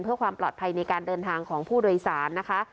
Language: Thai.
เพื่อความปลอดภัยในการเดินทางของผู้โดยสารนะคะ